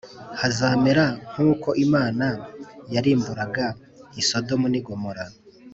hazamera nk uko Imana yarimburaga i Sodomu n ‘igomora.